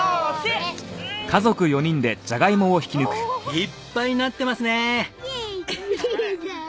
いっぱいなってますね！